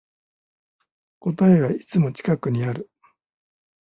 答えはいつも近くにある